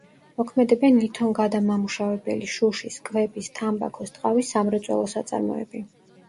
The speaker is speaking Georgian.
მოქმედებენ ლითონგადამამუშავებელი, შუშის, კვების, თამბაქოს, ტყავის სამრეწველო საწარმოები.